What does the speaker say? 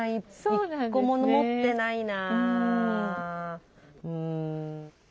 １個も持ってないな。